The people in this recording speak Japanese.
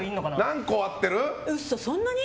何個合ってる？